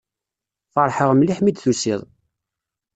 Feṛḥeɣ mliḥ mi d-tusiḍ.